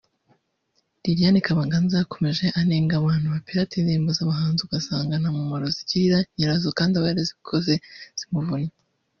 Liliane Kabaganza yakomeje anenga abantu bapirata indirimbo z’abahanzi ugasanga nta mumaro zigiriye nyirazo kandi aba yarazikoze zimuvunnye